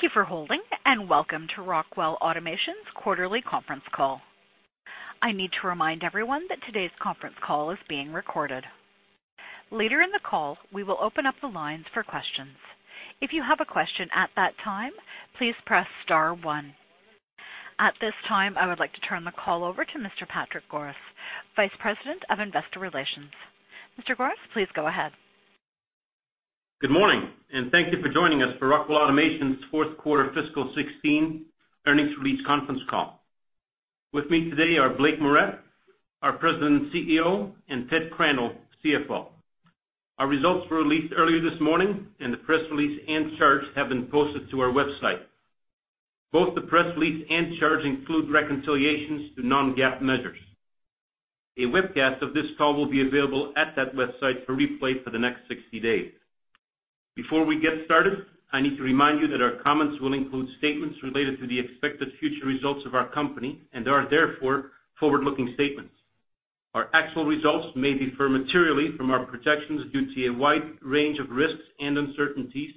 Thank you for holding, welcome to Rockwell Automation's quarterly conference call. I need to remind everyone that today's conference call is being recorded. Later in the call, we will open up the lines for questions. If you have a question at that time, please press star one. At this time, I would like to turn the call over to Mr. Patrick Goris, Vice President of Investor Relations. Mr. Goris, please go ahead. Good morning, thank you for joining us for Rockwell Automation's fourth quarter fiscal 2016 earnings release conference call. With me today are Blake Moret, our President and CEO, and Ted Crandall, CFO. Our results were released earlier this morning, the press release and charts have been posted to our website. Both the press release and charts include reconciliations to non-GAAP measures. A webcast of this call will be available at that website for replay for the next 60 days. Before we get started, I need to remind you that our comments will include statements related to the expected future results of our company and are therefore forward-looking statements. Our actual results may differ materially from our projections due to a wide range of risks and uncertainties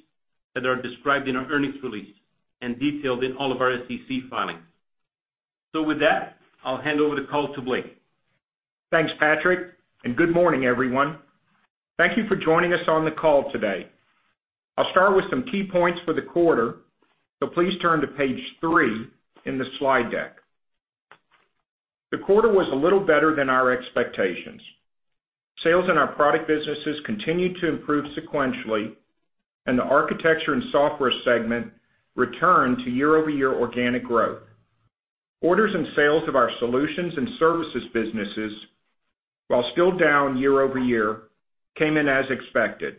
that are described in our earnings release and detailed in all of our SEC filings. With that, I'll hand over the call to Blake. Thanks, Patrick, good morning, everyone. Thank you for joining us on the call today. I'll start with some key points for the quarter, please turn to page three in the slide deck. The quarter was a little better than our expectations. Sales in our product businesses continued to improve sequentially, and the Architecture & Software segment returned to year-over-year organic growth. Orders and sales of our solutions and services businesses, while still down year-over-year, came in as expected.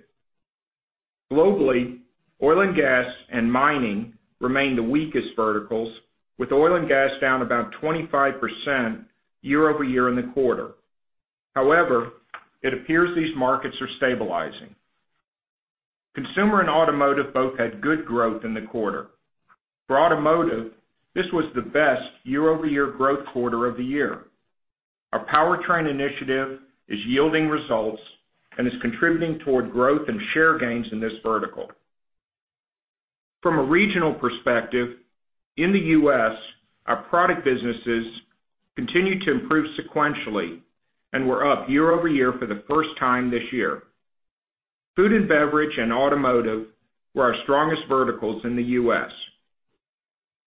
Globally, oil and gas and mining remain the weakest verticals, with oil and gas down about 25% year-over-year in the quarter. However, it appears these markets are stabilizing. Consumer and automotive both had good growth in the quarter. For automotive, this was the best year-over-year growth quarter of the year. Our Powertrain initiative is yielding results and is contributing toward growth and share gains in this vertical. From a regional perspective, in the U.S., our product businesses continued to improve sequentially and were up year-over-year for the first time this year. Food and beverage and automotive were our strongest verticals in the U.S.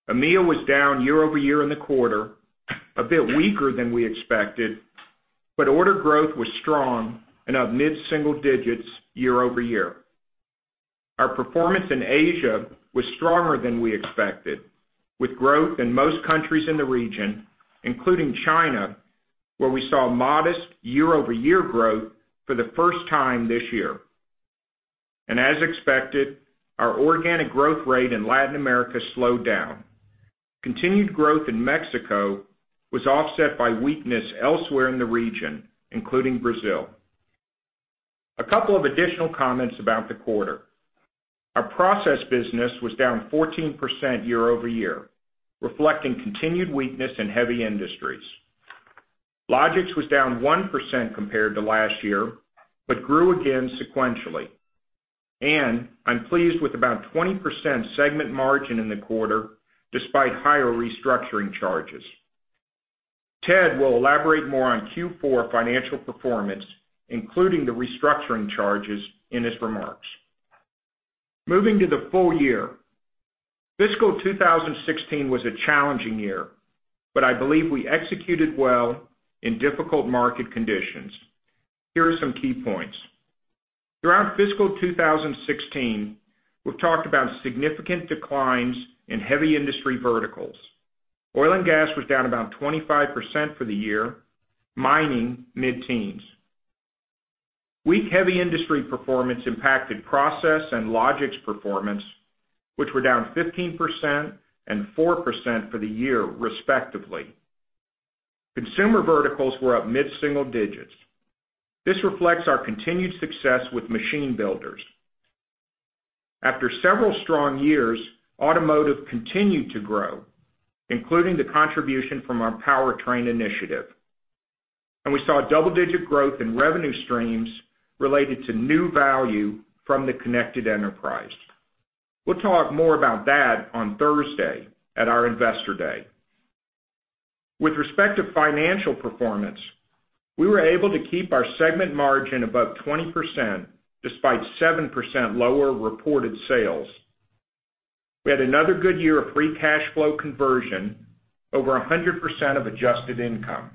EMEA was down year-over-year in the quarter, a bit weaker than we expected, but order growth was strong and up mid-single digits year-over-year. Our performance in Asia was stronger than we expected, with growth in most countries in the region, including China, where we saw modest year-over-year growth for the first time this year. As expected, our organic growth rate in Latin America slowed down. Continued growth in Mexico was offset by weakness elsewhere in the region, including Brazil. A couple of additional comments about the quarter. Our process business was down 14% year-over-year, reflecting continued weakness in heavy industries. Logix was down 1% compared to last year, but grew again sequentially. I'm pleased with about 20% segment margin in the quarter, despite higher restructuring charges. Ted will elaborate more on Q4 financial performance, including the restructuring charges, in his remarks. Moving to the full year. Fiscal 2016 was a challenging year, but I believe we executed well in difficult market conditions. Here are some key points. Throughout fiscal 2016, we've talked about significant declines in heavy industry verticals. Oil and gas was down about 25% for the year, mining mid-teens. Weak heavy industry performance impacted process and Logix performance, which were down 15% and 4% for the year respectively. Consumer verticals were up mid-single digits. This reflects our continued success with machine builders. After several strong years, automotive continued to grow, including the contribution from our powertrain initiative. We saw double-digit growth in revenue streams related to new value from the Connected Enterprise. We'll talk more about that on Thursday at our Investor Day. With respect to financial performance, we were able to keep our segment margin above 20%, despite 7% lower reported sales. We had another good year of free cash flow conversion, over 100% of adjusted income.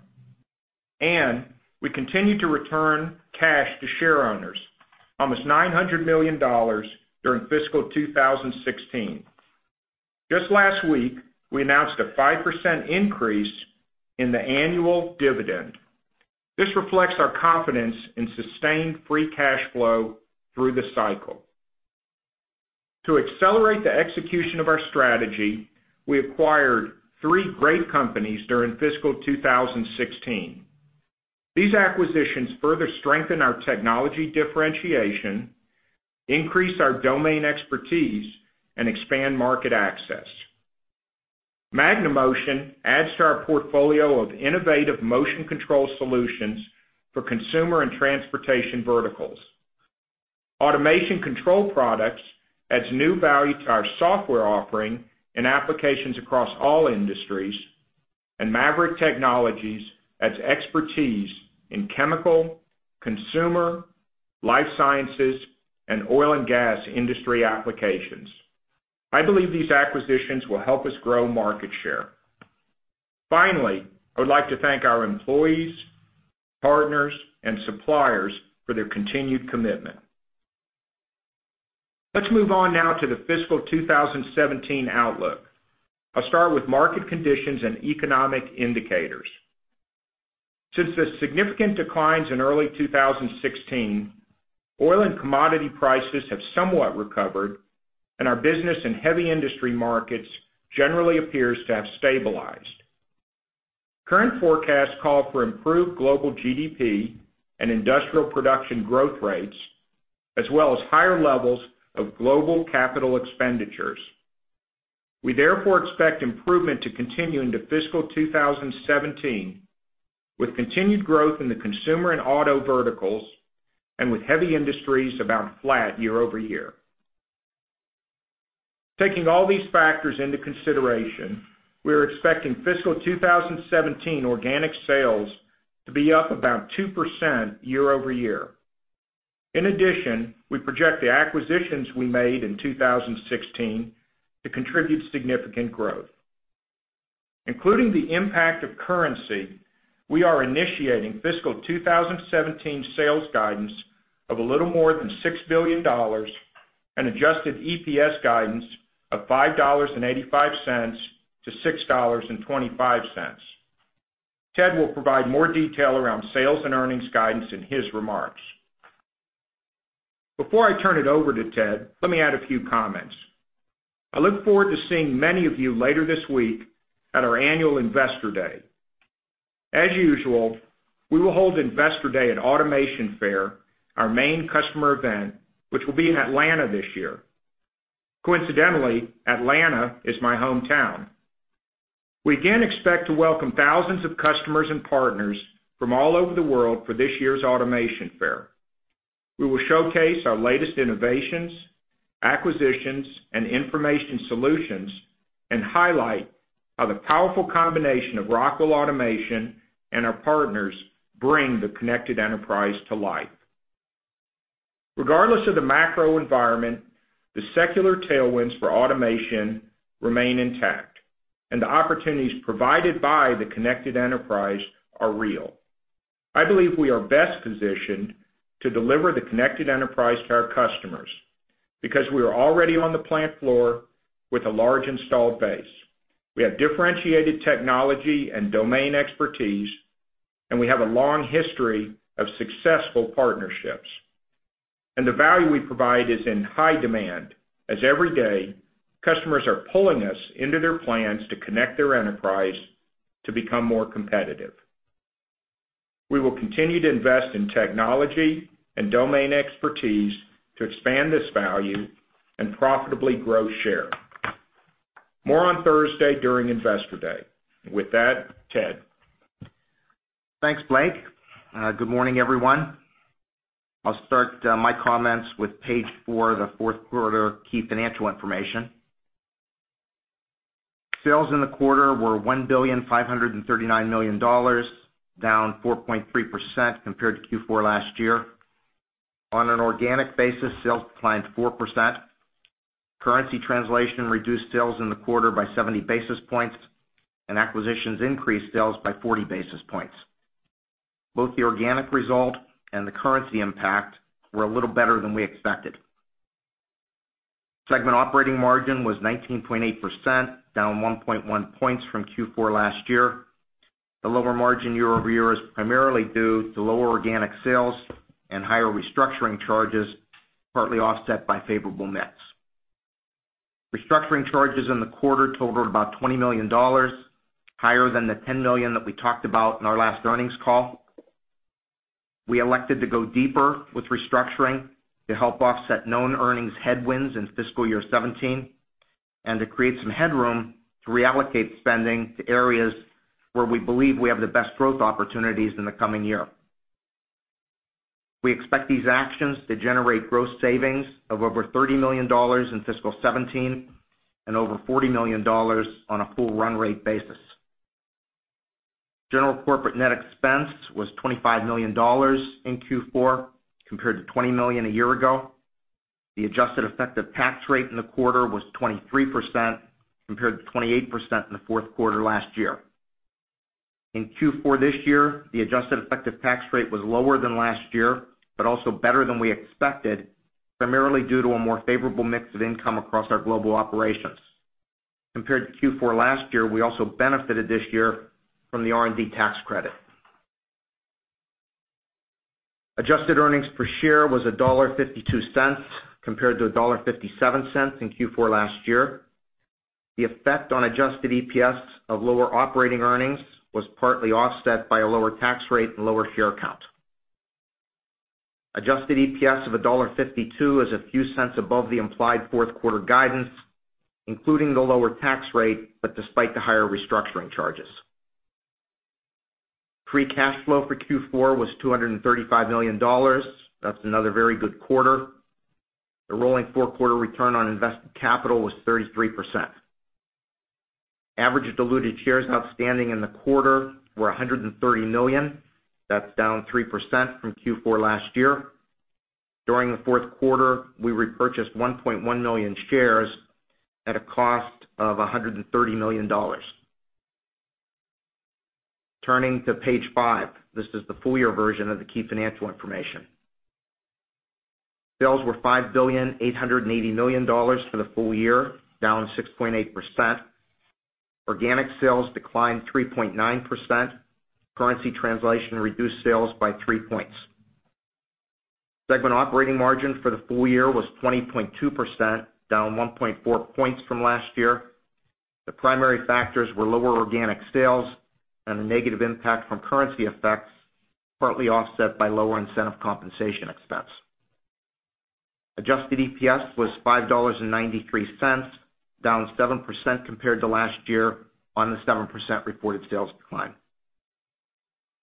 We continued to return cash to shareowners, almost $900 million during fiscal 2016. Just last week, we announced a 5% increase in the annual dividend. This reflects our confidence in sustained free cash flow through the cycle. To accelerate the execution of our strategy, we acquired three great companies during fiscal 2016. These acquisitions further strengthen our technology differentiation, increase our domain expertise, and expand market access. MagneMotion adds to our portfolio of innovative motion control solutions for consumer and transportation verticals. Automation Control Products adds new value to our software offering in applications across all industries. MAVERICK adds expertise in chemical, consumer, life sciences, and oil and gas industry applications. I believe these acquisitions will help us grow market share. Finally, I would like to thank our employees, partners, and suppliers for their continued commitment. Let's move on now to the fiscal 2017 outlook. I'll start with market conditions and economic indicators. Since the significant declines in early 2016, oil and commodity prices have somewhat recovered, and our business in heavy industry markets generally appears to have stabilized. Current forecasts call for improved global GDP and industrial production growth rates, as well as higher levels of global capital expenditures. We therefore expect improvement to continue into fiscal 2017, with continued growth in the consumer and auto verticals, and with heavy industries about flat year-over-year. Taking all these factors into consideration, we are expecting fiscal 2017 organic sales to be up about 2% year-over-year. In addition, we project the acquisitions we made in 2016 to contribute significant growth. Including the impact of currency, we are initiating fiscal 2017 sales guidance of a little more than $6 billion and adjusted EPS guidance of $5.85-$6.25. Ted will provide more detail around sales and earnings guidance in his remarks. Before I turn it over to Ted, let me add a few comments. I look forward to seeing many of you later this week at our annual Investor Day. As usual, we will hold Investor Day at Automation Fair, our main customer event, which will be in Atlanta this year. Coincidentally, Atlanta is my hometown. We again expect to welcome thousands of customers and partners from all over the world for this year's Automation Fair. We will showcase our latest innovations, acquisitions, and information solutions and highlight how the powerful combination of Rockwell Automation and our partners bring the Connected Enterprise to life. Regardless of the macro environment, the secular tailwinds for automation remain intact, and the opportunities provided by the Connected Enterprise are real. I believe we are best positioned to deliver the Connected Enterprise to our customers because we are already on the plant floor with a large installed base. We have differentiated technology and domain expertise, and we have a long history of successful partnerships. The value we provide is in high demand, as every day, customers are pulling us into their plans to connect their enterprise to become more competitive. We will continue to invest in technology and domain expertise to expand this value and profitably grow share. More on Thursday during Investor Day. With that, Ted. Thanks, Blake. Good morning, everyone. I'll start my comments with page four, the fourth quarter key financial information. Sales in the quarter were $1,539,000,000, down 4.3% compared to Q4 last year. On an organic basis, sales declined 4%. Currency translation reduced sales in the quarter by 70 basis points, and acquisitions increased sales by 40 basis points. Both the organic result and the currency impact were a little better than we expected. Segment operating margin was 19.8%, down 1.1 points from Q4 last year. The lower margin year-over-year is primarily due to lower organic sales and higher restructuring charges, partly offset by favorable nets. Restructuring charges in the quarter totaled about $20 million, higher than the $10 million that we talked about in our last earnings call. We elected to go deeper with restructuring to help offset known earnings headwinds in fiscal year 2017 and to create some headroom to reallocate spending to areas where we believe we have the best growth opportunities in the coming year. We expect these actions to generate gross savings of over $30 million in fiscal 2017 and over $40 million on a full run rate basis. General corporate net expense was $25 million in Q4 compared to $20 million a year ago. The adjusted effective tax rate in the quarter was 23% compared to 28% in the fourth quarter last year. In Q4 this year, the adjusted effective tax rate was lower than last year, but also better than we expected, primarily due to a more favorable mix of income across our global operations. Compared to Q4 last year, we also benefited this year from the R&D tax credit. Adjusted earnings per share was $1.52 compared to $1.57 in Q4 last year. The effect on adjusted EPS of lower operating earnings was partly offset by a lower tax rate and lower share count. Adjusted EPS of $1.52 is a few cents above the implied fourth quarter guidance, including the lower tax rate, but despite the higher restructuring charges. Free cash flow for Q4 was $235 million. That's another very good quarter. The rolling four-quarter return on invested capital was 33%. Average diluted shares outstanding in the quarter were 130 million. That's down 3% from Q4 last year. During the fourth quarter, we repurchased 1.1 million shares at a cost of $130 million. Turning to page five. This is the full year version of the key financial information. Sales were $5,880,000,000 for the full year, down 6.8%. Organic sales declined 3.9%. Currency translation reduced sales by three points. Segment operating margin for the full year was 20.2%, down 1.4 points from last year. The primary factors were lower organic sales and the negative impact from currency effects, partly offset by lower incentive compensation expense. Adjusted EPS was $5.93, down 7% compared to last year on the 7% reported sales decline.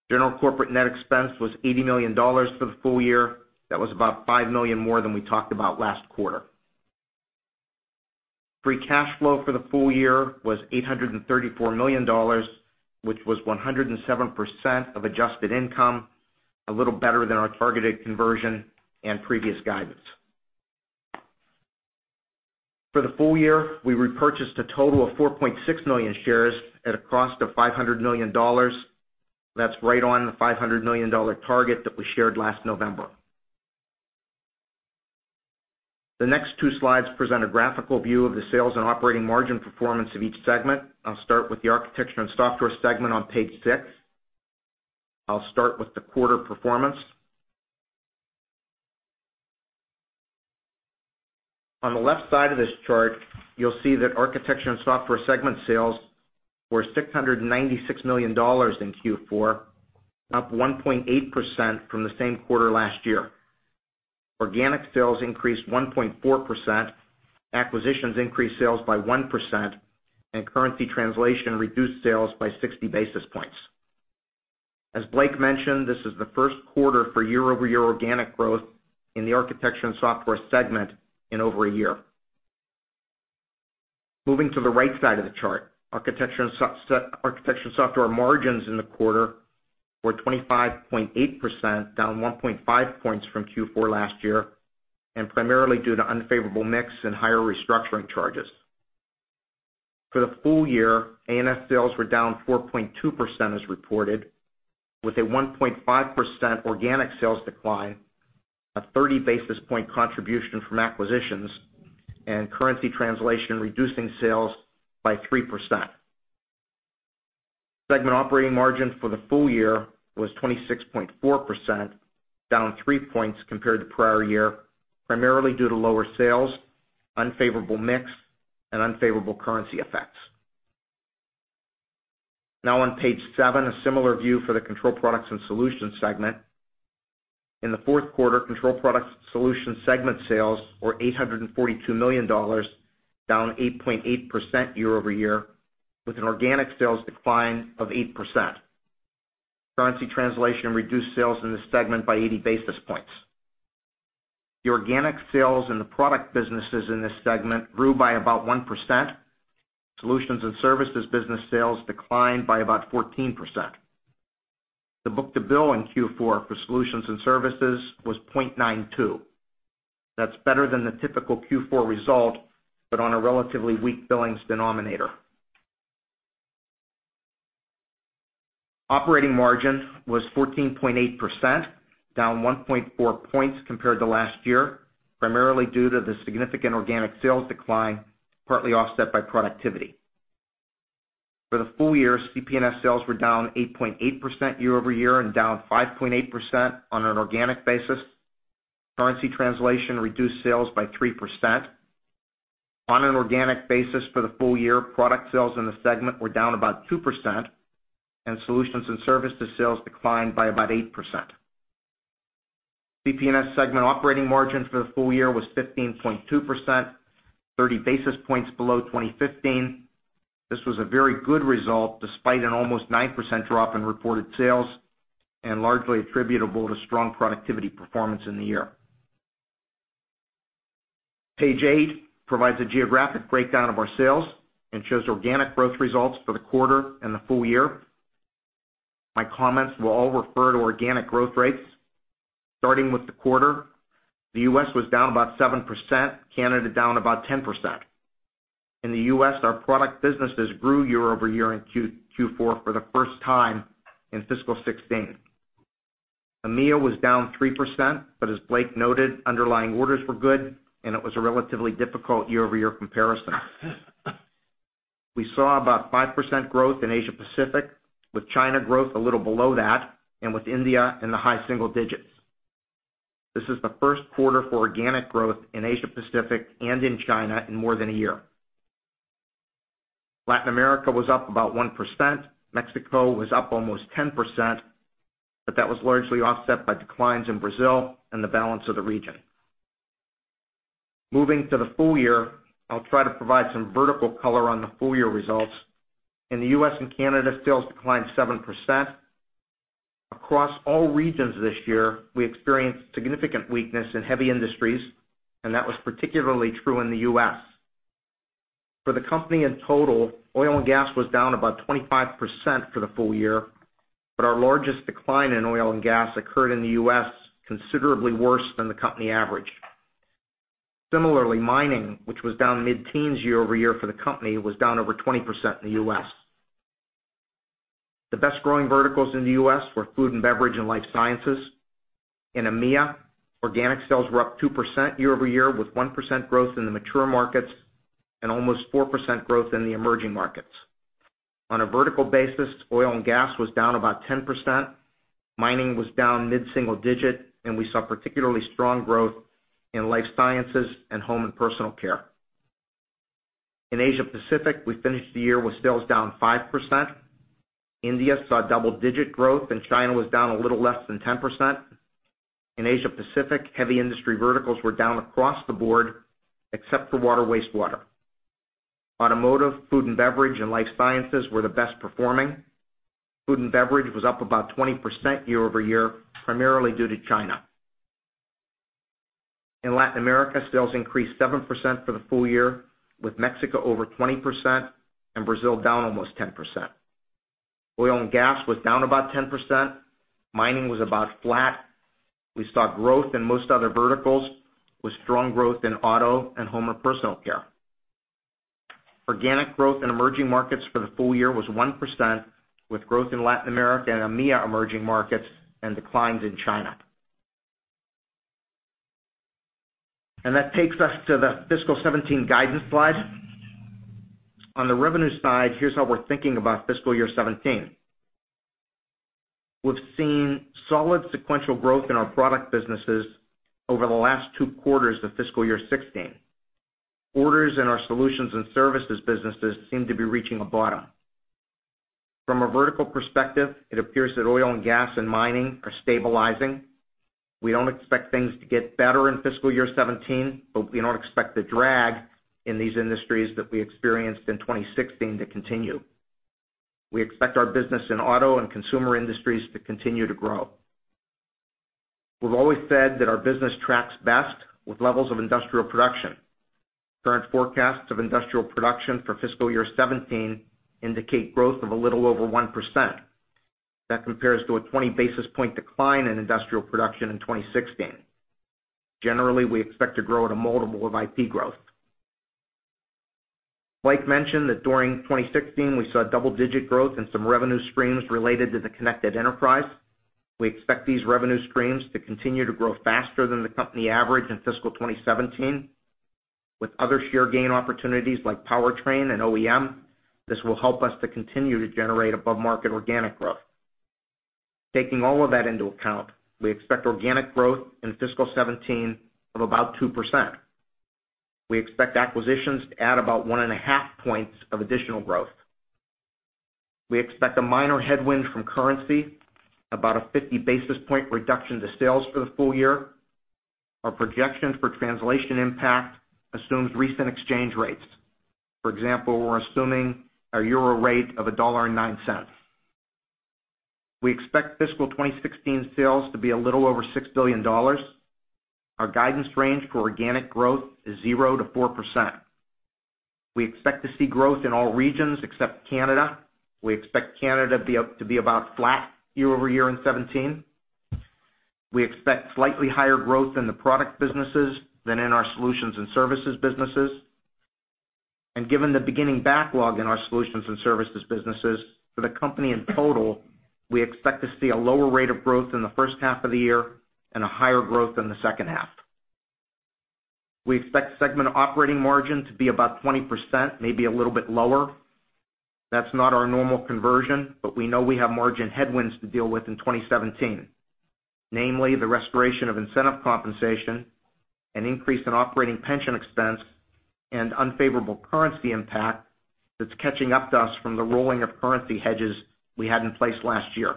General corporate net expense was $80 million for the full year. That was about $5 million more than we talked about last quarter. Free cash flow for the full year was $834 million, which was 107% of adjusted income, a little better than our targeted conversion and previous guidance. For the full year, we repurchased a total of 4.6 million shares at a cost of $500 million. That's right on the $500 million target that we shared last November. The next two slides present a graphical view of the sales and operating margin performance of each segment. I'll start with the Architecture & Software segment on page six. I'll start with the quarter performance. On the left side of this chart, you'll see that Architecture & Software segment sales were $696 million in Q4, up 1.8% from the same quarter last year. Organic sales increased 1.4%, acquisitions increased sales by 1%, and currency translation reduced sales by 60 basis points. As Blake mentioned, this is the first quarter for year-over-year organic growth in the Architecture & Software segment in over a year. Moving to the right side of the chart, Architecture & Software margins in the quarter were 25.8%, down 1.5 points from Q4 last year, and primarily due to unfavorable mix and higher restructuring charges. For the full year, A&S sales were down 4.2% as reported, with a 1.5% organic sales decline, a 30 basis point contribution from acquisitions, and currency translation reducing sales by 3%. Segment operating margin for the full year was 26.4%, down three points compared to prior year, primarily due to lower sales, unfavorable mix, and unfavorable currency effects. Now on page seven, a similar view for the Control Products & Solutions segment. In the fourth quarter, Control Products & Solutions segment sales were $842 million, down 8.8% year-over-year, with an organic sales decline of 8%. Currency translation reduced sales in this segment by 80 basis points. The organic sales in the product businesses in this segment grew by about 1%. Solutions and services business sales declined by about 14%. The book-to-bill in Q4 for solutions and services was 0.92. That's better than the typical Q4 result, but on a relatively weak billings denominator. Operating margin was 14.8%, down 1.4 points compared to last year, primarily due to the significant organic sales decline, partly offset by productivity. For the full year, CP&S sales were down 8.8% year-over-year and down 5.8% on an organic basis. Currency translation reduced sales by 3%. On an organic basis for the full year, product sales in the segment were down about 2%, and solutions and services sales declined by about 8%. CP&S segment operating margin for the full year was 15.2%, 30 basis points below 2015. This was a very good result despite an almost 9% drop in reported sales and largely attributable to strong productivity performance in the year. Page eight provides a geographic breakdown of our sales and shows organic growth results for the quarter and the full year. My comments will all refer to organic growth rates. Starting with the quarter, the U.S. was down about 7%, Canada down about 10%. In the U.S., our product businesses grew year-over-year in Q4 for the first time in fiscal 2016. EMEA was down 3%. As Blake noted, underlying orders were good, and it was a relatively difficult year-over-year comparison. We saw about 5% growth in Asia Pacific, with China growth a little below that, with India in the high single digits. This is the first quarter for organic growth in Asia Pacific and in China in more than a year. Latin America was up about 1%. Mexico was up almost 10%, that was largely offset by declines in Brazil and the balance of the region. Moving to the full year, I'll try to provide some vertical color on the full year results. In the U.S. and Canada, sales declined 7%. Across all regions this year, we experienced significant weakness in heavy industries, that was particularly true in the U.S. For the company in total, oil and gas was down about 25% for the full year. Our largest decline in oil and gas occurred in the U.S., considerably worse than the company average. Similarly, mining, which was down mid-teens year-over-year for the company, was down over 20% in the U.S. The best-growing verticals in the U.S. were Food and Beverage and Life Sciences. In EMEA, organic sales were up 2% year-over-year, with 1% growth in the mature markets and almost 4% growth in the emerging markets. On a vertical basis, oil and gas was down about 10%, mining was down mid-single digit. We saw particularly strong growth in Life Sciences and home and personal care. In Asia Pacific, we finished the year with sales down 5%. India saw double-digit growth, China was down a little less than 10%. In Asia Pacific, heavy industry verticals were down across the board, except for water wastewater. Automotive, Food and Beverage, and Life Sciences were the best performing. Food and Beverage was up about 20% year-over-year, primarily due to China. In Latin America, sales increased 7% for the full year, with Mexico over 20% and Brazil down almost 10%. Oil and gas was down about 10%. Mining was about flat. We saw growth in most other verticals, with strong growth in auto and home or personal care. Organic growth in emerging markets for the full year was 1%, with growth in Latin America and EMEA emerging markets and declines in China. That takes us to the fiscal 2017 guidance slide. On the revenue side, here's how we're thinking about fiscal year 2017. We've seen solid sequential growth in our product businesses over the last two quarters of fiscal year 2016. Orders in our solutions and services businesses seem to be reaching a bottom. From a vertical perspective, it appears that oil and gas and mining are stabilizing. We don't expect things to get better in fiscal year 2017, but we don't expect the drag in these industries that we experienced in 2016 to continue. We expect our business in auto and consumer industries to continue to grow. We've always said that our business tracks best with levels of industrial production. Current forecasts of industrial production for fiscal year 2017 indicate growth of a little over 1%. That compares to a 20-basis point decline in industrial production in 2016. Generally, we expect to grow at a multiple of IP growth. Blake mentioned that during 2016, we saw double-digit growth in some revenue streams related to the Connected Enterprise. We expect these revenue streams to continue to grow faster than the company average in fiscal 2017. With other share gain opportunities like powertrain and OEM, this will help us to continue to generate above-market organic growth. Taking all of that into account, we expect organic growth in fiscal 2017 of about 2%. We expect acquisitions to add about one and a half points of additional growth. We expect a minor headwind from currency, about a 50-basis point reduction to sales for the full year. Our projections for translation impact assumes recent exchange rates. For example, we're assuming a euro rate of $1.09. We expect fiscal 2016 sales to be a little over $6 billion. Our guidance range for organic growth is 0%-4%. We expect to see growth in all regions except Canada. We expect Canada to be about flat year-over-year in 2017. We expect slightly higher growth in the product businesses than in our solutions and services businesses. Given the beginning backlog in our solutions and services businesses, for the company in total, we expect to see a lower rate of growth in the first half of the year and a higher growth in the second half. We expect segment operating margin to be about 20%, maybe a little bit lower. That's not our normal conversion, but we know we have margin headwinds to deal with in 2017. Namely, the restoration of incentive compensation, an increase in operating pension expense, and unfavorable currency impact that's catching up to us from the rolling of currency hedges we had in place last year.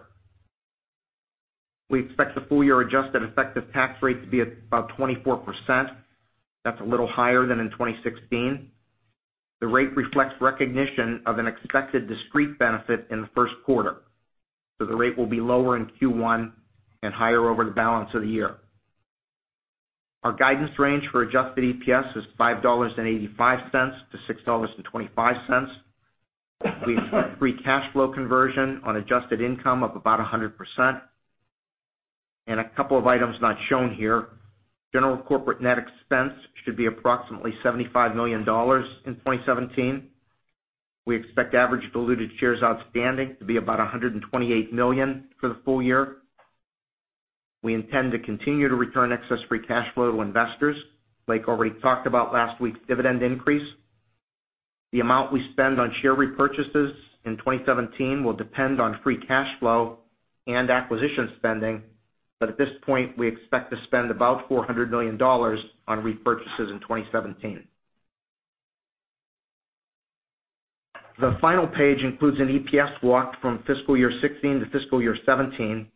We expect the full-year adjusted effective tax rate to be at about 24%. That's a little higher than in 2016. The rate reflects recognition of an expected discrete benefit in the first quarter. So the rate will be lower in Q1 and higher over the balance of the year. Our guidance range for adjusted EPS is $5.85-$6.25. We expect free cash flow conversion on adjusted income of about 100%. A couple of items not shown here. General corporate net expense should be approximately $75 million in 2017. We expect average diluted shares outstanding to be about 128 million for the full year. We intend to continue to return excess free cash flow to investors. Blake already talked about last week's dividend increase. The amount we spend on share repurchases in 2017 will depend on free cash flow and acquisition spending. At this point, we expect to spend about $400 million on repurchases in 2017. The final page includes an EPS walk from fiscal year 2016 to fiscal year 2017.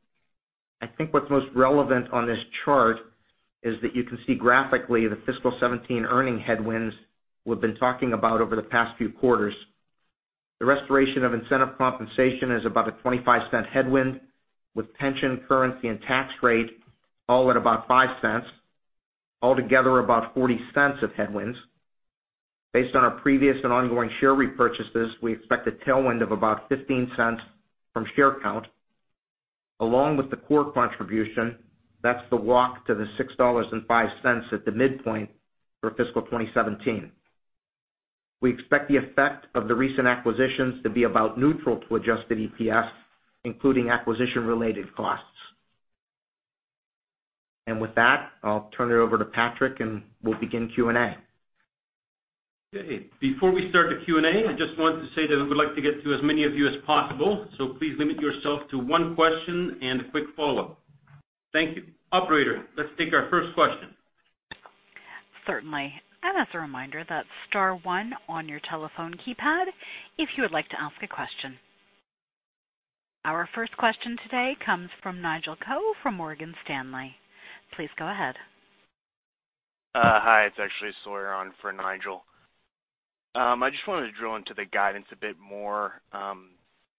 I think what's most relevant on this chart is that you can see graphically the fiscal 2017 earning headwinds we've been talking about over the past few quarters. The restoration of incentive compensation is about a $0.25 headwind, with pension, currency, and tax rate all at about $0.05. Altogether, about $0.40 of headwinds. Based on our previous and ongoing share repurchases, we expect a tailwind of about $0.15 from share count. Along with the core contribution, that's the walk to the $6.05 at the midpoint for fiscal 2017. We expect the effect of the recent acquisitions to be about neutral to adjusted EPS, including acquisition-related costs. With that, I'll turn it over to Patrick, and we'll begin Q&A. Okay. Before we start the Q&A, I just wanted to say that we would like to get to as many of you as possible, so please limit yourself to one question and a quick follow-up. Thank you. Operator, let's take our first question. Certainly. As a reminder, that's star one on your telephone keypad if you would like to ask a question. Our first question today comes from Nigel Coe from Morgan Stanley. Please go ahead. Hi, it's actually Sawyer on for Nigel. I just wanted to drill into the guidance a bit more, I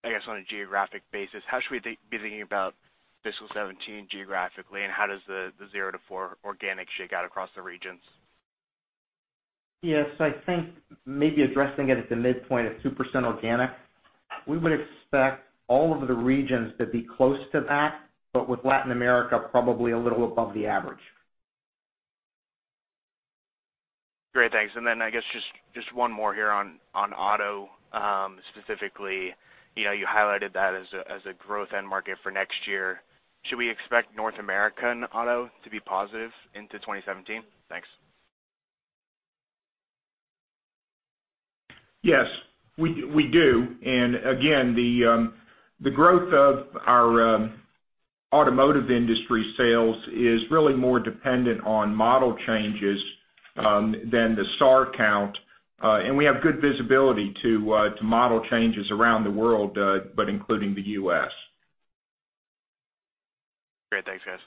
guess, on a geographic basis. How should we be thinking about fiscal 2017 geographically, and how does the 0-4 organic shake out across the regions? I think maybe addressing it at the midpoint of 2% organic, we would expect all of the regions to be close to that, but with Latin America probably a little above the average. Great. Thanks. I guess just one more here on auto, specifically. You highlighted that as a growth end market for next year. Should we expect North American auto to be positive into 2017? Thanks. We do. Again, the growth of our automotive industry sales is really more dependent on model changes than the SAR count. We have good visibility to model changes around the world, but including the U.S. Great. Thanks, guys.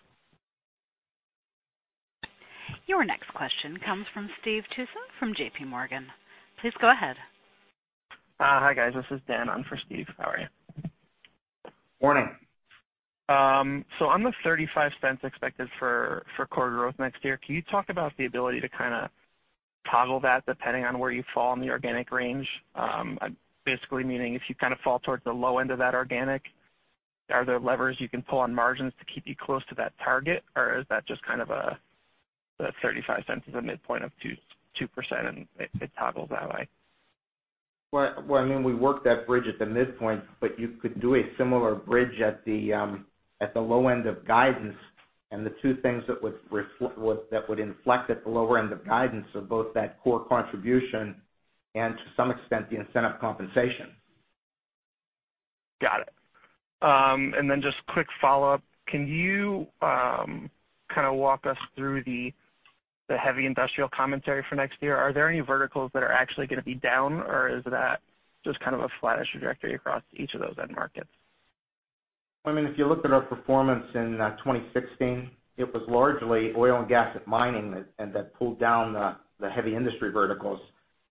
Your next question comes from Steve Tusa from J.P. Morgan. Please go ahead. Hi, guys. This is Dan. I'm for Steve. How are you? Morning. On the $0.35 expected for core growth next year, can you talk about the ability to kind of toggle that depending on where you fall in the organic range? Basically meaning if you kind of fall towards the low end of that organic, are there levers you can pull on margins to keep you close to that target, or is that just kind of a $0.35 is a midpoint of 2% and it toggles that way? We worked that bridge at the midpoint, but you could do a similar bridge at the low end of guidance. The two things that would inflect at the lower end of guidance are both that core contribution and, to some extent, the incentive compensation. Got it. Just quick follow-up. Can you kind of walk us through the heavy industrial commentary for next year? Are there any verticals that are actually gonna be down, or is that just kind of a flattish trajectory across each of those end markets? I mean, if you look at our performance in 2016, it was largely oil and gas and mining that pulled down the heavy industry verticals.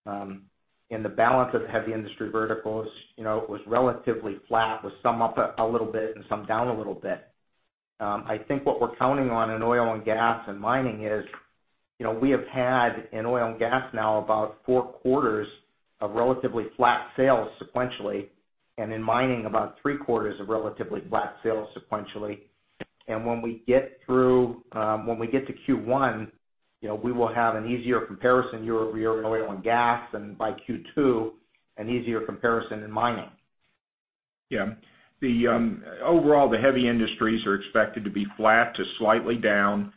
The balance of heavy industry verticals was relatively flat, with some up a little bit and some down a little bit. I think what we're counting on in oil and gas and mining is, we have had in oil and gas now about four quarters of relatively flat sales sequentially, and in mining about three quarters of relatively flat sales sequentially. When we get to Q1, we will have an easier comparison year-over-year on oil and gas, and by Q2, an easier comparison in mining. Yeah. Overall, the heavy industries are expected to be flat to slightly down.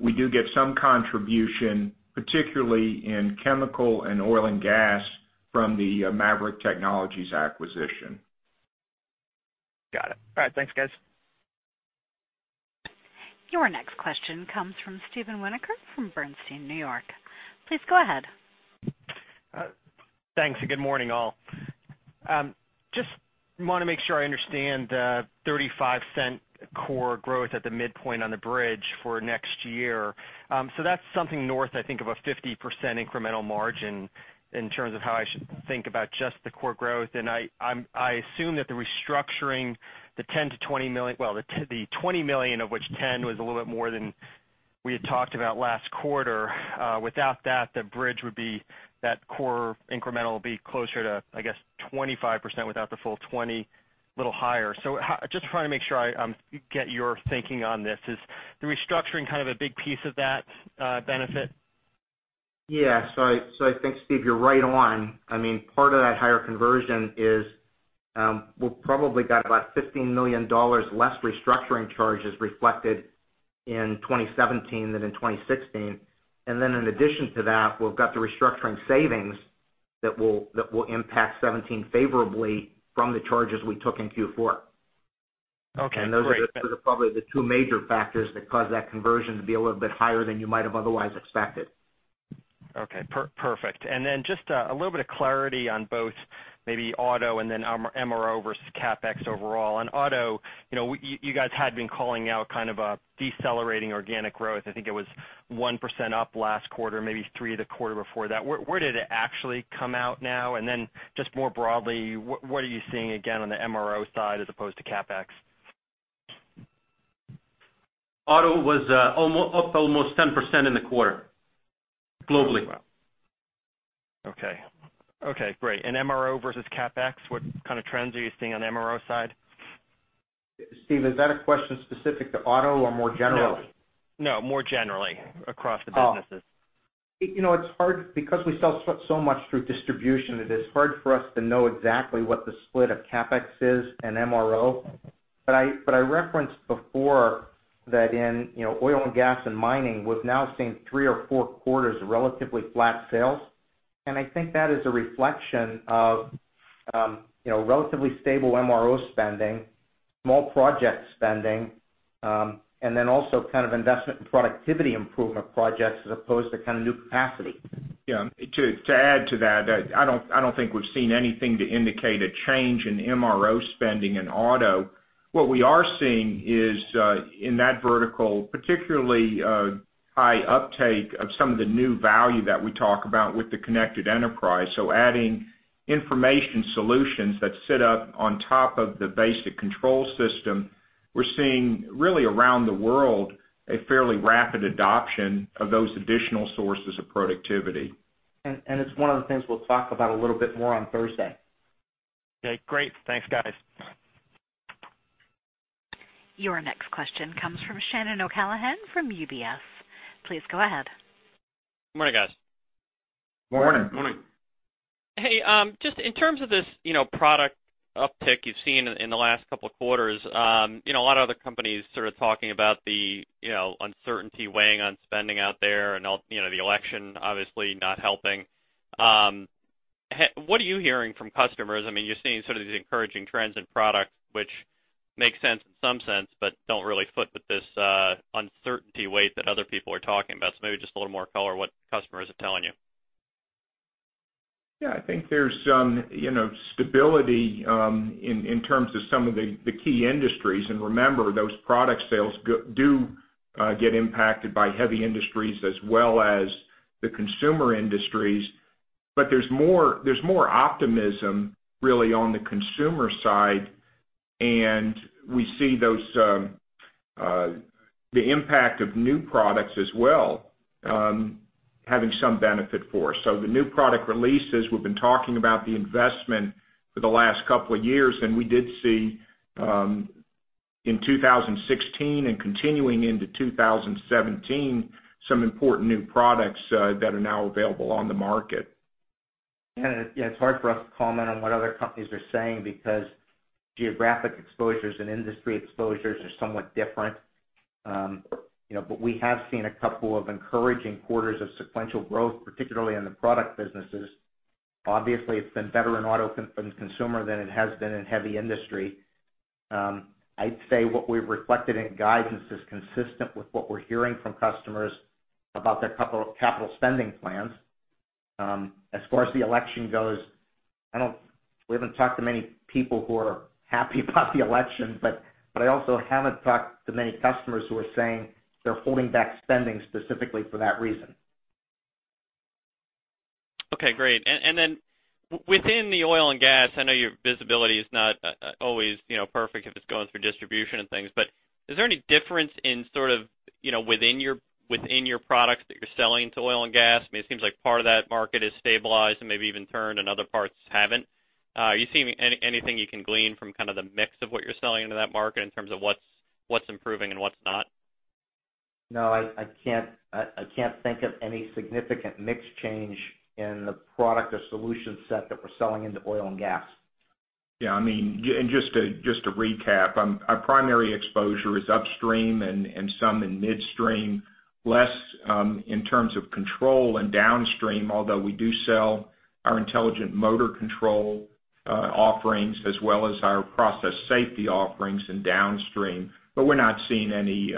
We do get some contribution, particularly in chemical and oil and gas, from the MAVERICK Technologies acquisition. Got it. All right, thanks, guys. Your next question comes from Steven Winoker from Bernstein, New York. Please go ahead. Thanks, and good morning, all. Just want to make sure I understand the $0.35 core growth at the midpoint on the bridge for next year. That's something north, I think, of a 50% incremental margin in terms of how I should think about just the core growth. I assume that the restructuring, the $20 million, of which $10 was a little bit more than we had talked about last quarter, without that, the bridge would be that core incremental would be closer to, I guess, 25% without the full $20, a little higher. Just trying to make sure I get your thinking on this. Is the restructuring kind of a big piece of that benefit? Yeah. I think, Steve, you're right on. I mean, part of that higher conversion is, we've probably got about $15 million less restructuring charges reflected in 2017 than in 2016. In addition to that, we've got the restructuring savings that will impact 2017 favorably from the charges we took in Q4. Okay, great. Those are sort of probably the two major factors that cause that conversion to be a little bit higher than you might have otherwise expected. Okay, perfect. Just a little bit of clarity on both maybe auto and then MRO versus CapEx overall. On auto, you guys had been calling out kind of a decelerating organic growth. I think it was 1% up last quarter, maybe 3% the quarter before that. Where did it actually come out now? Just more broadly, what are you seeing again on the MRO side as opposed to CapEx? Auto was up almost 10% in the quarter, globally. Okay. Great. MRO versus CapEx, what kind of trends are you seeing on the MRO side? Steve, is that a question specific to auto or more generally? No, more generally across the businesses. Because we sell so much through distribution, it is hard for us to know exactly what the split of CapEx is and MRO. I referenced before that in oil and gas and mining, we've now seen three or four quarters of relatively flat sales. I think that is a reflection of relatively stable MRO spending, more project spending, and then also kind of investment in productivity improvement projects as opposed to kind of new capacity. Yeah. To add to that, I don't think we've seen anything to indicate a change in MRO spending in auto. What we are seeing is, in that vertical, particularly high uptake of some of the new value that we talk about with the Connected Enterprise. Adding information solutions that sit up on top of the basic control system, we're seeing really around the world, a fairly rapid adoption of those additional sources of productivity. It's one of the things we'll talk about a little bit more on Thursday. Okay, great. Thanks, guys. Your next question comes from Shannon O'Callaghan from UBS. Please go ahead. Good morning, guys. Morning. Morning. Hey, just in terms of this product uptick you've seen in the last couple of quarters. A lot of other companies sort of talking about the uncertainty weighing on spending out there and the election obviously not helping. What are you hearing from customers? You're seeing sort of these encouraging trends in products, which makes sense in some sense, but don't really fit with this uncertainty weight that other people are talking about. Maybe just a little more color, what customers are telling you. I think there's some stability in terms of some of the key industries. Remember, those product sales do get impacted by heavy industries as well as the consumer industries. There's more optimism really on the consumer side, and we see the impact of new products as well, having some benefit for us. The new product releases, we've been talking about the investment for the last couple of years, and we did see, in 2016 and continuing into 2017, some important new products that are now available on the market. It's hard for us to comment on what other companies are saying because geographic exposures and industry exposures are somewhat different. We have seen a couple of encouraging quarters of sequential growth, particularly in the product businesses. Obviously, it's been better in auto and consumer than it has been in heavy industry. I'd say what we've reflected in guidance is consistent with what we're hearing from customers about their capital spending plans. As far as the election goes, we haven't talked to many people who are happy about the election, but I also haven't talked to many customers who are saying they're holding back spending specifically for that reason. Okay, great. Within the oil and gas, I know your visibility is not always perfect if it's going through distribution and things, but is there any difference in sort of within your products that you're selling to oil and gas? It seems like part of that market has stabilized and maybe even turned, and other parts haven't. Are you seeing anything you can glean from kind of the mix of what you're selling into that market in terms of what's improving and what's not? No, I can't think of any significant mix change in the product or solution set that we're selling into oil and gas. Yeah. Just to recap, our primary exposure is upstream and some in midstream, less in terms of control and downstream, although we do sell our intelligent motor control offerings as well as our process safety offerings in downstream. We're not seeing any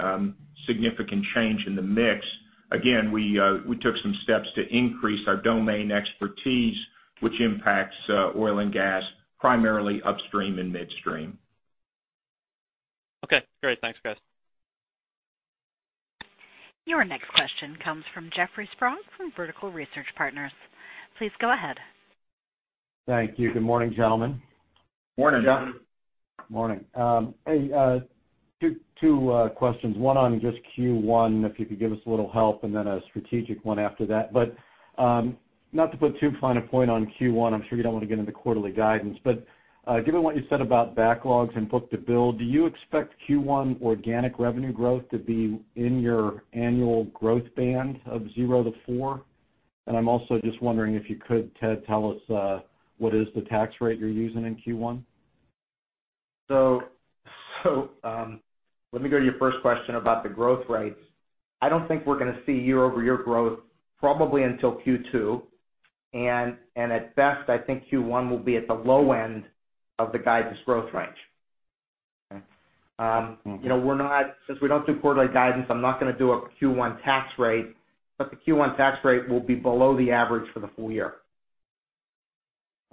significant change in the mix. Again, we took some steps to increase our domain expertise, which impacts oil and gas, primarily upstream and midstream. Okay, great. Thanks, guys. Your next question comes from Jeffrey Sprague from Vertical Research Partners. Please go ahead. Thank you. Good morning, gentlemen. Morning. Morning. Morning. Hey, two questions. One on just Q1, if you could give us a little help, and then a strategic one after that. Not to put too fine a point on Q1, I'm sure you don't want to get into quarterly guidance, but given what you said about backlogs and book-to-bill, do you expect Q1 organic revenue growth to be in your annual growth band of 0%-4%? And I'm also just wondering if you could, Ted, tell us what is the tax rate you're using in Q1? Let me go to your first question about the growth rates. I don't think we're going to see year-over-year growth probably until Q2, and at best, I think Q1 will be at the low end of the guidance growth range. Okay. Since we don't do quarterly guidance, I'm not going to do a Q1 tax rate, but the Q1 tax rate will be below the average for the full year.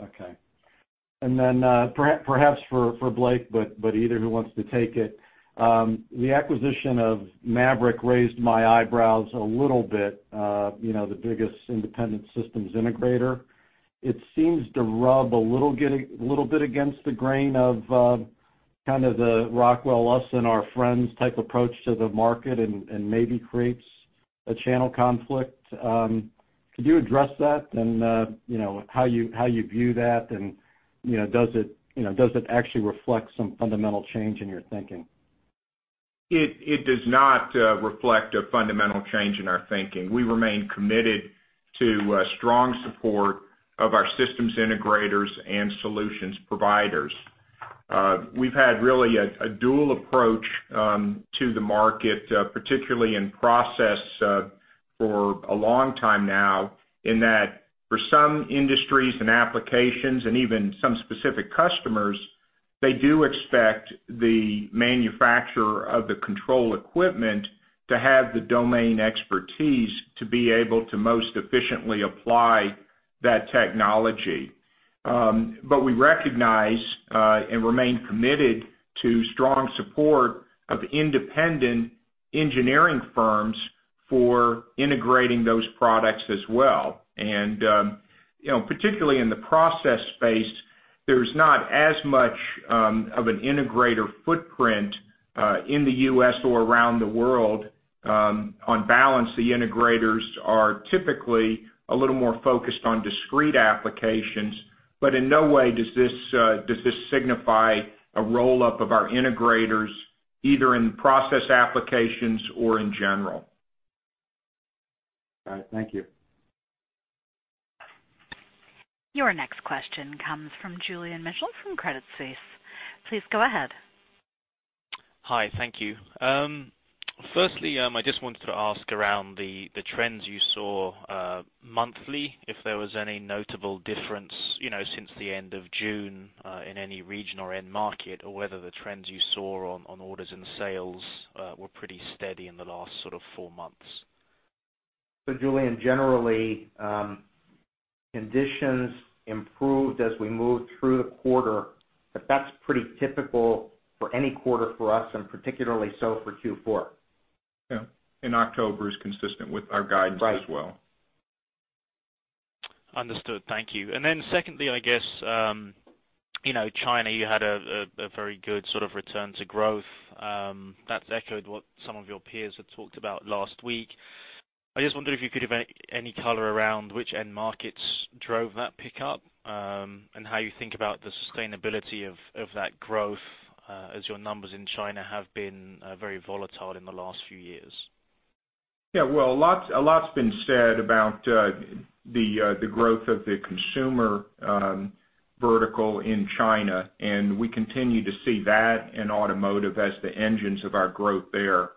Okay. Perhaps for Blake, but either who wants to take it. The acquisition of MAVERICK raised my eyebrows a little bit. The biggest independent systems integrator. It seems to rub a little bit against the grain of kind of the Rockwell, us and our friends type approach to the market and maybe creates a channel conflict. Could you address that and how you view that and does it actually reflect some fundamental change in your thinking? It does not reflect a fundamental change in our thinking. We remain committed to strong support of our systems integrators and solutions providers. We've had really a dual approach to the market, particularly in process, for a long time now, in that for some industries and applications and even some specific customers, they do expect the manufacturer of the control equipment to have the domain expertise to be able to most efficiently apply that technology. We recognize, and remain committed to strong support of independent engineering firms for integrating those products as well. Particularly in the process space, there's not as much of an integrator footprint, in the U.S. or around the world. On balance, the integrators are typically a little more focused on discrete applications, but in no way does this signify a roll-up of our integrators, either in process applications or in general. All right. Thank you. Your next question comes from Julian Mitchell from Credit Suisse. Please go ahead. Hi. Thank you. Firstly, I just wanted to ask around the trends you saw monthly, if there was any notable difference since the end of June, in any region or end market, or whether the trends you saw on orders and sales were pretty steady in the last sort of four months. Julian, generally, conditions improved as we moved through the quarter, but that's pretty typical for any quarter for us, and particularly so for Q4. Yeah. October is consistent with our guidance as well. Right. Secondly, I guess, China, you had a very good sort of return to growth. That's echoed what some of your peers had talked about last week. I just wondered if you could give any color around which end markets drove that pickup, and how you think about the sustainability of that growth, as your numbers in China have been very volatile in the last few years. Yeah. Well, a lot's been said about the growth of the consumer vertical in China, and we continue to see that and automotive as the engines of our growth there.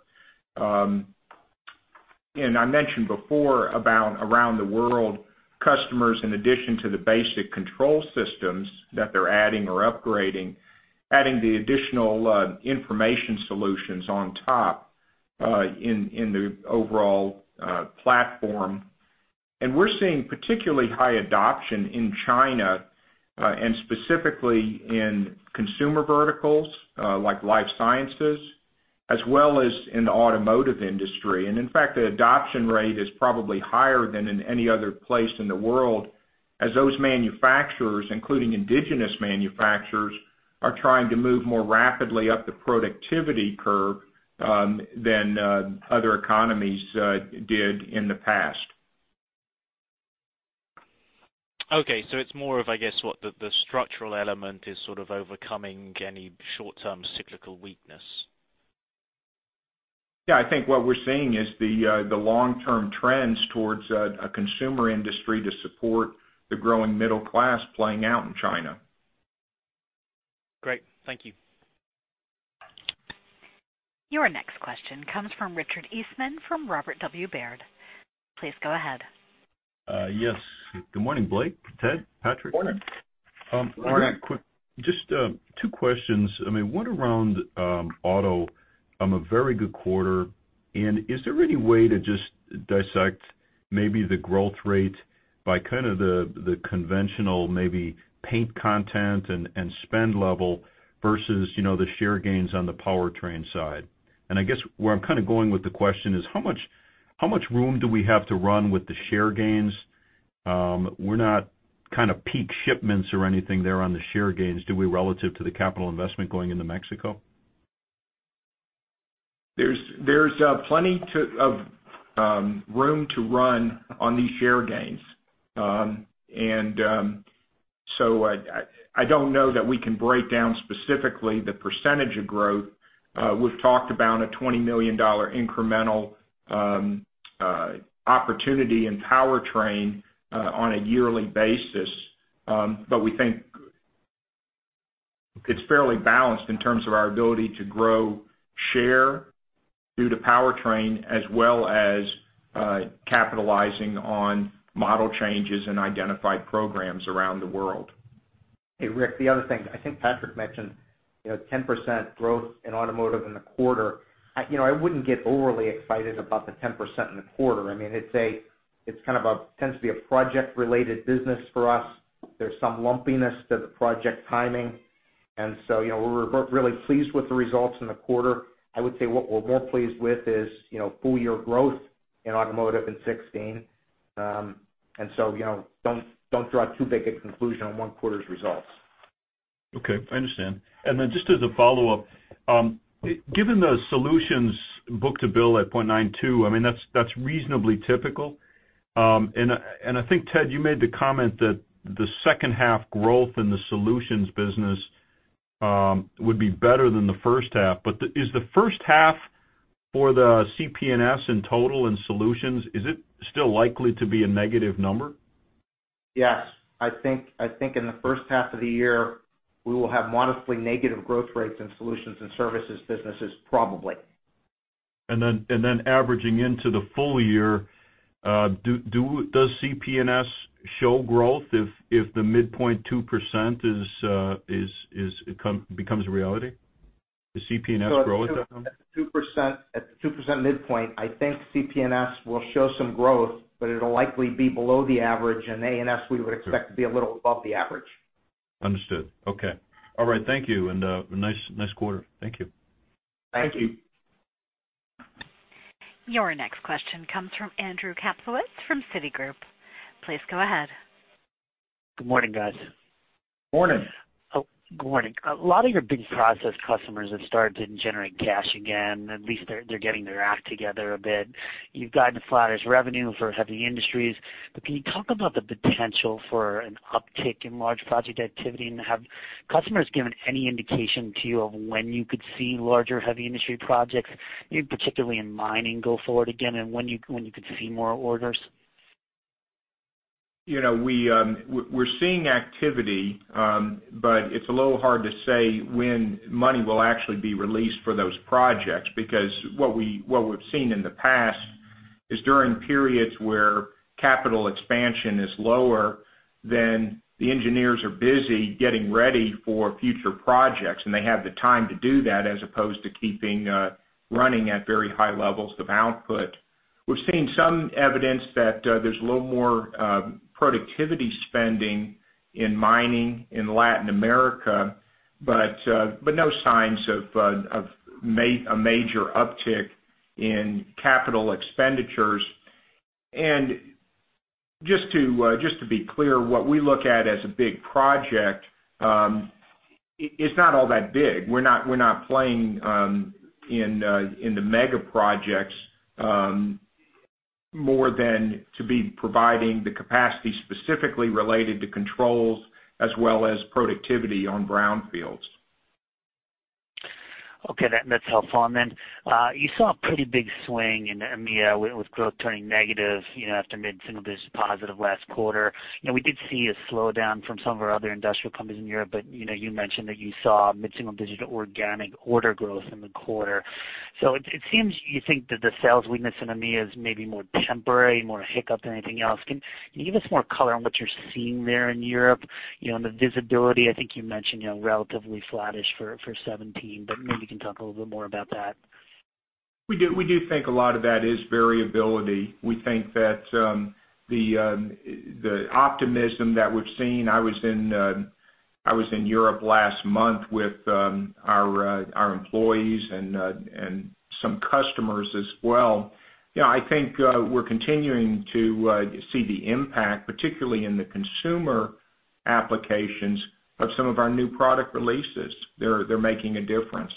I mentioned before about around the world, customers, in addition to the basic control systems that they're adding or upgrading, adding the additional information solutions on top, in the overall platform. We're seeing particularly high adoption in China, specifically in consumer verticals like life sciences as well as in the automotive industry. In fact, the adoption rate is probably higher than in any other place in the world as those manufacturers, including indigenous manufacturers, are trying to move more rapidly up the productivity curve than other economies did in the past. Okay, it's more of, I guess, what the structural element is sort of overcoming any short-term cyclical weakness. Yeah, I think what we're seeing is the long-term trends towards a consumer industry to support the growing middle class playing out in China. Great. Thank you. Your next question comes from Richard Eastman from Robert W. Baird. Please go ahead. Yes. Good morning, Blake, Ted, Patrick. Morning. Morning. Just two questions. One around auto. A very good quarter. Is there any way to just dissect maybe the growth rate by kind of the conventional maybe paint content and spend level versus the share gains on the powertrain side? I guess where I'm kind of going with the question is how much room do we have to run with the share gains? We're not kind of peak shipments or anything there on the share gains, do we, relative to the capital investment going into Mexico? There's plenty of room to run on these share gains. I don't know that we can break down specifically the percentage of growth. We've talked about a $20 million incremental opportunity in powertrain on a yearly basis. We think it's fairly balanced in terms of our ability to grow share due to powertrain, as well as capitalizing on model changes and identified programs around the world. Hey, Rick, the other thing, I think Patrick mentioned 10% growth in automotive in the quarter. I wouldn't get overly excited about the 10% in the quarter. It tends to be a project-related business for us. There's some lumpiness to the project timing. We're really pleased with the results in the quarter. I would say what we're more pleased with is full-year growth in automotive in 2016. Don't draw too big a conclusion on one quarter's results. Okay. I understand. Just as a follow-up, given the solutions book-to-bill at 0.92, that's reasonably typical. I think, Ted, you made the comment that the second half growth in the solutions business would be better than the first half. Is the first half for the CP&S in total and solutions, is it still likely to be a negative number? Yes. I think in the first half of the year, we will have modestly negative growth rates in solutions and services businesses, probably. averaging into the full year, does CP&S show growth if the midpoint 2% becomes a reality? Does CP&S grow at that point? At the 2% midpoint, I think CP&S will show some growth, but it'll likely be below the average. In A&S, we would expect to be a little above the average. Understood. Okay. All right. Thank you. Nice quarter. Thank you. Thank you. Thank you. Your next question comes from Andrew Kaplowitz from Citigroup. Please go ahead. Good morning, guys. Morning. Good morning. A lot of your big process customers have started to generate cash again. At least they're getting their act together a bit. You've gotten flattish revenue for heavy industries. Can you talk about the potential for an uptick in large project activity, and have customers given any indication to you of when you could see larger heavy industry projects, particularly in mining go forward again, and when you could see more orders? We're seeing activity, but it's a little hard to say when money will actually be released for those projects, because what we've seen in the past is during periods where capital expansion is lower, then the engineers are busy getting ready for future projects, and they have the time to do that, as opposed to keeping running at very high levels of output. We're seeing some evidence that there's a little more productivity spending in mining in Latin America, but no signs of a major uptick in capital expenditures. Just to be clear, what we look at as a big project, it's not all that big. We're not playing in the mega projects more than to be providing the capacity specifically related to controls as well as productivity on brownfields. Okay, that's helpful. You saw a pretty big swing in EMEA with growth turning negative after mid-single digits positive last quarter. We did see a slowdown from some of our other industrial companies in Europe, but you mentioned that you saw mid-single digit organic order growth in the quarter. It seems you think that the sales weakness in EMEA is maybe more temporary, more a hiccup than anything else. Can you give us more color on what you're seeing there in Europe? On the visibility, I think you mentioned relatively flattish for 2017, but maybe you can talk a little bit more about that. We do think a lot of that is variability. We think that the optimism that we've seen. I was in Europe last month with our employees and some customers as well. I think we're continuing to see the impact, particularly in the consumer applications of some of our new product releases. They're making a difference.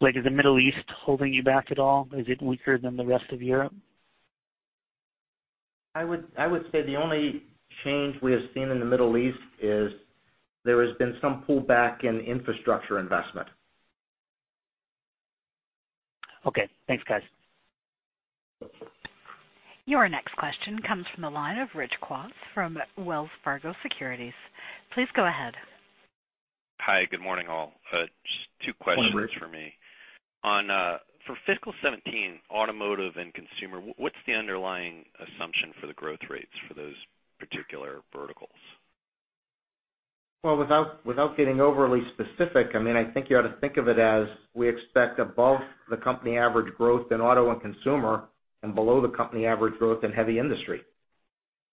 Blake, is the Middle East holding you back at all? Is it weaker than the rest of Europe? I would say the only change we have seen in the Middle East is there has been some pullback in infrastructure investment. Okay. Thanks, guys. Your next question comes from the line of Rich Kwas from Wells Fargo Securities. Please go ahead. Hi. Good morning, all. Just two questions for me. Morning, Rich. For fiscal 2017, automotive and consumer, what's the underlying assumption for the growth rates for those particular verticals? Well, without getting overly specific, I think you ought to think of it as we expect above the company average growth in auto and consumer, and below the company average growth in heavy industry.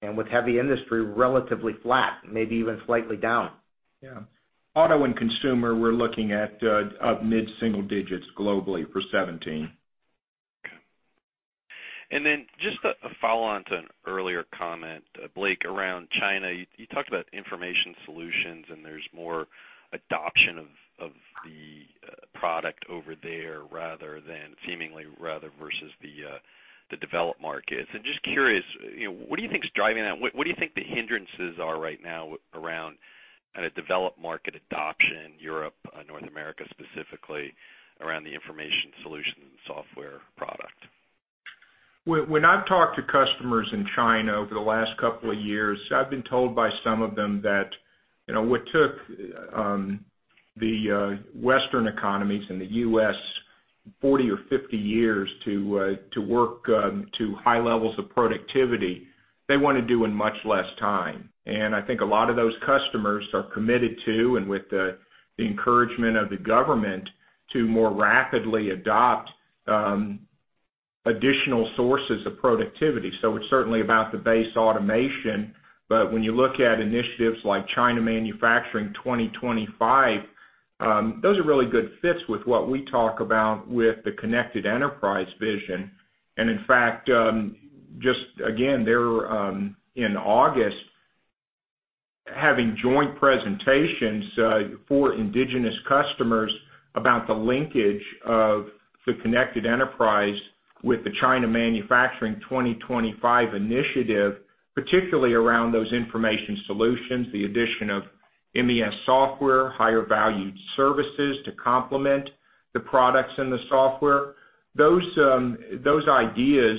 With heavy industry, relatively flat, maybe even slightly down. Yeah. Auto and consumer, we're looking at up mid-single digits globally for 2017. Okay. Then just a follow-on to an earlier comment, Blake, around China. You talked about information solutions, and there's more adoption of the product over there seemingly rather versus the developed markets. I'm just curious, what do you think is driving that? What do you think the hindrances are right now around kind of developed market adoption, Europe, North America specifically, around the information solutions and software product? When I've talked to customers in China over the last couple of years, I've been told by some of them that what took the Western economies and the U.S. 40 or 50 years to work to high levels of productivity, they want to do in much less time. I think a lot of those customers are committed to, and with the encouragement of the government, to more rapidly adopt additional sources of productivity. It's certainly about the base automation, but when you look at initiatives like Made in China 2025, those are really good fits with what we talk about with the Connected Enterprise vision. In fact, just again, they were, in August, having joint presentations for indigenous customers about the linkage of the Connected Enterprise with the Made in China 2025 initiative, particularly around those information solutions, the addition of MES software, higher valued services to complement the products and the software. Those ideas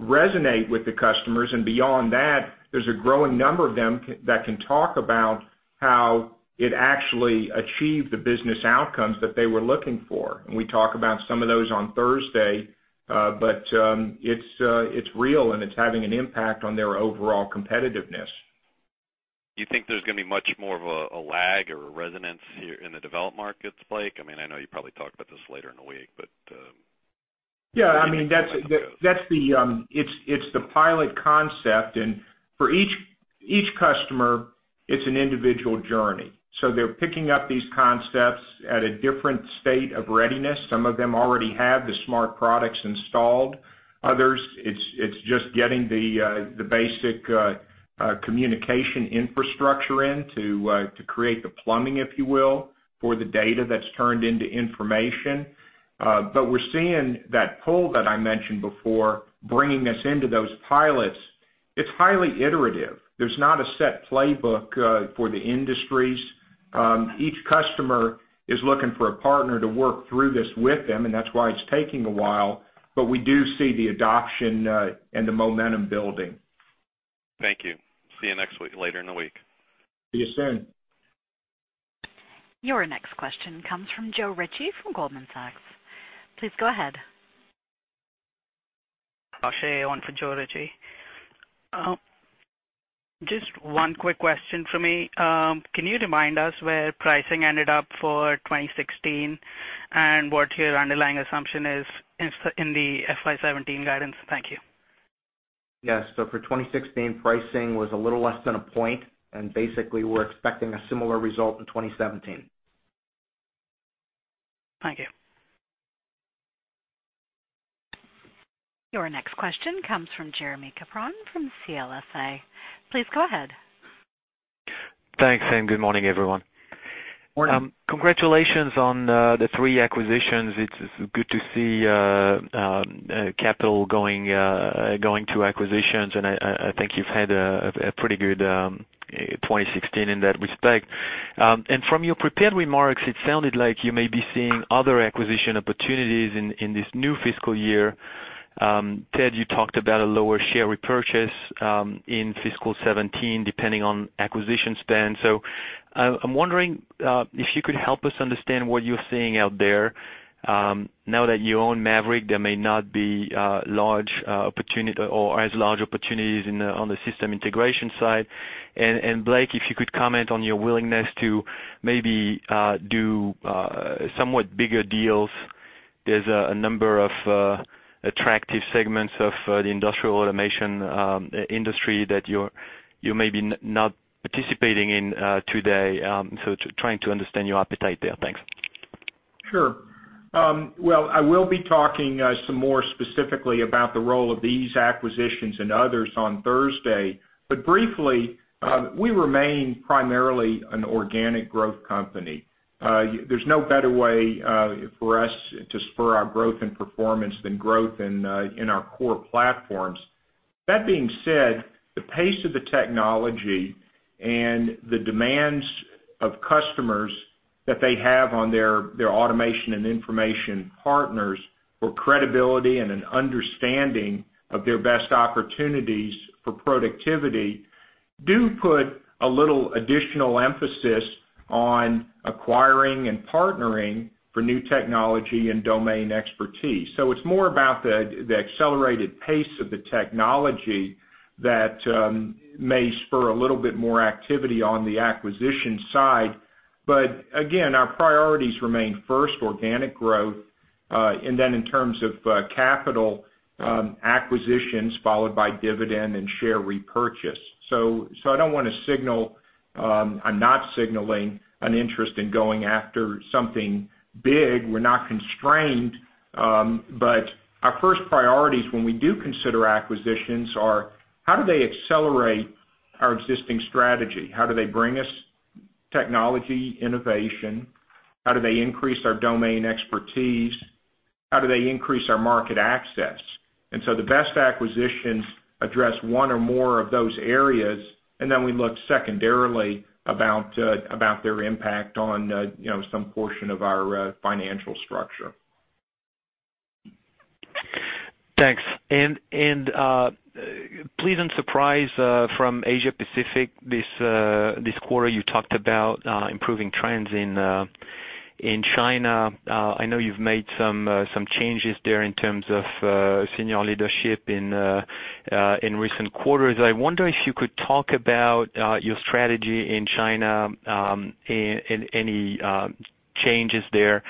resonate with the customers, and beyond that, there's a growing number of them that can talk about how it actually achieved the business outcomes that they were looking for. We talk about some of those on Thursday. It's real, and it's having an impact on their overall competitiveness. Do you think there's going to be much more of a lag or a resonance here in the developed markets, Blake? I know you probably talk about this later in the week. It's the pilot concept, for each customer, it's an individual journey. They're picking up these concepts at a different state of readiness. Some of them already have the smart products installed. Others, it's just getting the basic communication infrastructure in to create the plumbing, if you will, for the data that's turned into information. We're seeing that pull that I mentioned before, bringing us into those pilots. It's highly iterative. There's not a set playbook for the industries. Each customer is looking for a partner to work through this with them, that's why it's taking a while, we do see the adoption and the momentum building. Thank you. See you later in the week. See you soon. Your next question comes from Joe Ritchie from Goldman Sachs. Please go ahead. Ashay on for Joe Ritchie. Just one quick question for me. Can you remind us where pricing ended up for 2016, and what your underlying assumption is in the FY 2017 guidance? Thank you. Yes. For 2016, pricing was a little less than a point, and basically we're expecting a similar result in 2017. Thank you. Your next question comes from Jeremie Capron from CLSA. Please go ahead. Thanks, good morning, everyone. Morning. Congratulations on the three acquisitions. It's good to see capital going to acquisitions, and I think you've had a pretty good 2016 in that respect. From your prepared remarks, it sounded like you may be seeing other acquisition opportunities in this new fiscal year. Ted, you talked about a lower share repurchase in fiscal 2017, depending on acquisition spend. I'm wondering if you could help us understand what you're seeing out there. Now that you own MAVERICK, there may not be as large opportunities on the system integration side. Blake, if you could comment on your willingness to maybe do somewhat bigger deals. There's a number of attractive segments of the industrial automation industry that you're maybe not participating in today. Trying to understand your appetite there. Thanks. Sure. Well, I will be talking some more specifically about the role of these acquisitions and others on Thursday. Briefly, we remain primarily an organic growth company. There's no better way for us to spur our growth and performance than growth in our core platforms. That being said, the pace of the technology and the demands of customers that they have on their automation and information partners for credibility and an understanding of their best opportunities for productivity, do put a little additional emphasis on acquiring and partnering for new technology and domain expertise. It's more about the accelerated pace of the technology that may spur a little bit more activity on the acquisition side. Again, our priorities remain, first, organic growth, and then in terms of capital, acquisitions, followed by dividend and share repurchase. I'm not signaling an interest in going after something big. We're not constrained, our first priorities when we do consider acquisitions are, how do they accelerate our existing strategy? How do they bring us technology innovation? How do they increase our domain expertise? How do they increase our market access? The best acquisitions address one or more of those areas, and then we look secondarily about their impact on some portion of our financial structure. Thanks. Pleasant surprise from Asia Pacific this quarter. You talked about improving trends in China. I know you've made some changes there in terms of senior leadership in recent quarters. I wonder if you could talk about your strategy in China, any changes there,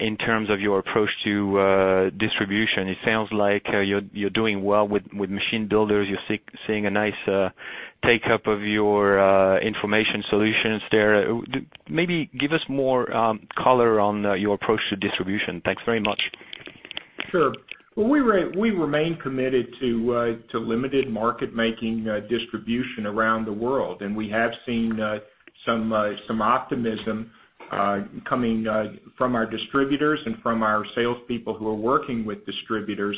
in terms of your approach to distribution. It sounds like you're doing well with machine builders. You're seeing a nice take-up of your information solutions there. Maybe give us more color on your approach to distribution. Thanks very much. Sure. We remain committed to limited market-making distribution around the world, and we have seen some optimism coming from our distributors and from our salespeople who are working with distributors.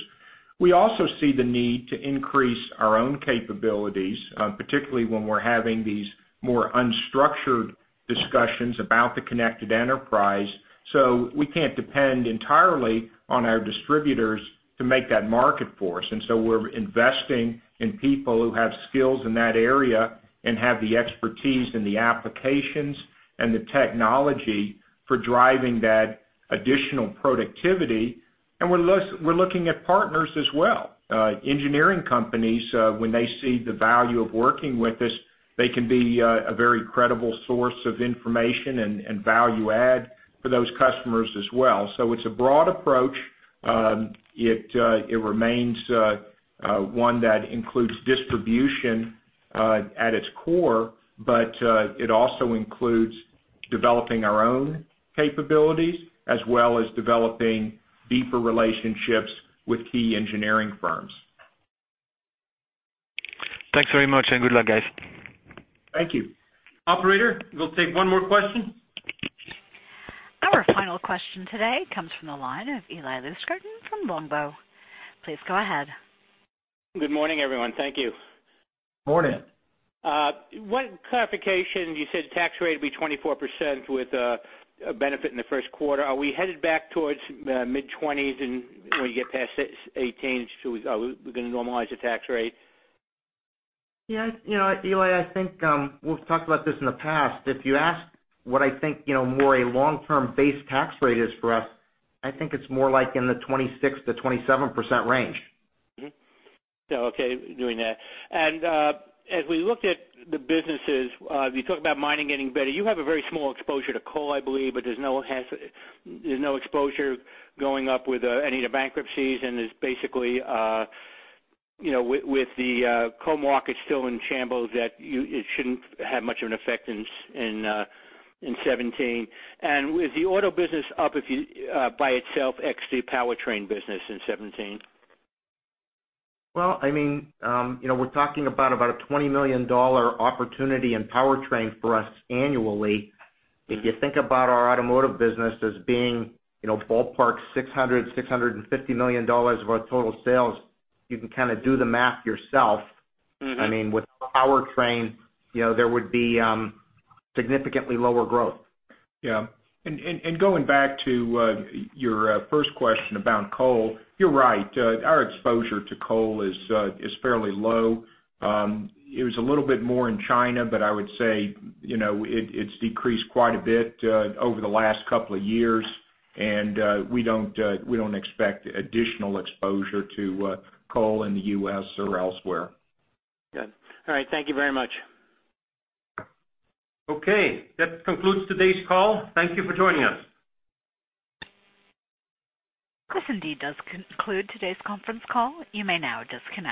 We also see the need to increase our own capabilities, particularly when we're having these more unstructured discussions about the Connected Enterprise. We can't depend entirely on our distributors to make that market for us. We're investing in people who have skills in that area and have the expertise in the applications and the technology for driving that additional productivity. We're looking at partners as well. Engineering companies, when they see the value of working with us, they can be a very credible source of information and value add for those customers as well. It's a broad approach. It remains one that includes distribution at its core, it also includes developing our own capabilities as well as developing deeper relationships with key engineering firms. Thanks very much and good luck, guys. Thank you. Operator, we'll take one more question. Our final question today comes from the line of Eli Lustgarten from Longbow. Please go ahead. Good morning, everyone. Thank you. Morning. One clarification. You said tax rate would be 24% with a benefit in the first quarter. Are we headed back towards mid-20s and when you get past 18, are we going to normalize the tax rate? Yeah. Eli, I think we've talked about this in the past. If you ask what I think more a long-term base tax rate is for us, I think it's more like in the 26%-27% range. Mm-hmm. Okay, doing that. As we look at the businesses, you talk about mining getting better. You have a very small exposure to coal, I believe, but there's no exposure going up with any of the bankruptcies, there's basically with the coal market still in shambles, that it shouldn't have much of an effect in 2017. With the auto business up by itself, ex the powertrain business in 2017. Well, we're talking about a $20 million opportunity in powertrain for us annually. If you think about our automotive business as being ballpark $600 million-$650 million of our total sales, you can kind of do the math yourself. With powertrain, there would be significantly lower growth. Yeah. Going back to your first question about coal, you're right. Our exposure to coal is fairly low. It was a little bit more in China, but I would say it's decreased quite a bit over the last couple of years, and we don't expect additional exposure to coal in the U.S. or elsewhere. Good. All right, thank you very much. Okay. That concludes today's call. Thank you for joining us. This indeed does conclude today's conference call. You may now disconnect.